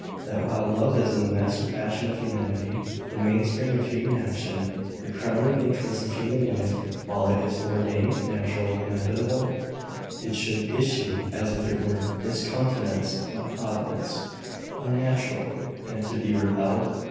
that while love is the master passion of humanity, the main spring of human action, the crowning interest of human life while it is ordained, natural, inevitable, it should issue as if it were discountenanced by Providence, unnatural, and to be repelled?